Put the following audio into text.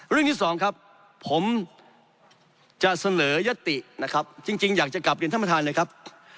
ที่สองครับผมจะเสนอยัตตินะครับจริงอยากจะกลับเรียนท่านประธานเลยครับ